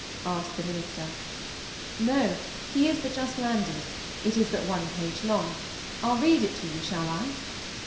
asked the minister. "No! he is but just landed; it is but one page long. I'll read it to you, shall I?